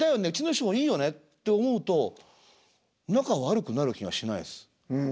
うちの師匠もいいよね」って思うと仲悪くなる気がしないです。